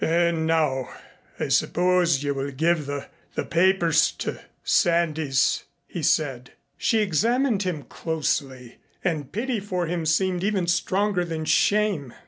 "And now I suppose you will give the the papers to Sandys," he said. She examined him closely and pity for him seemed even stronger than shame.